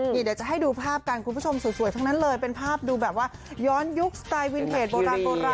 เดี๋ยวจะให้ดูภาพกันคุณผู้ชมสวยทั้งนั้นเลยเป็นภาพดูแบบว่าย้อนยุคสไตล์วินเพจโบราณ